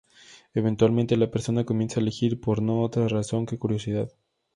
Eventualmente la persona comienza a elegir por no otra razón que curiosidad.